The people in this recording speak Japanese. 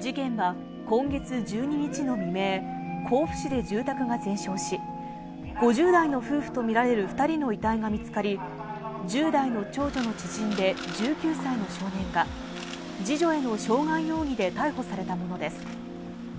事件は今月１２日の未明、甲府市で住宅が全焼し、５０代の夫婦と見られる２人の遺体が見つかり、１０代の長女の知人で１９歳の少年が、次女への傷害容疑で逮捕されたものです。